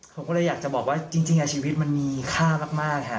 ผมก็เลยอยากจะบอกว่าจริงชีวิตมันมีค่ามากฮะ